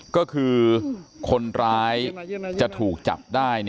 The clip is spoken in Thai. ก็คือคนร้ายจะถูกจับได้